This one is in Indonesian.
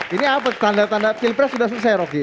ini apa tanda tanda pilpres sudah selesai rocky